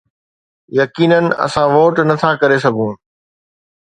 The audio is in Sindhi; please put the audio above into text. يقينن اسان ووٽ نه ٿا ڪري سگهون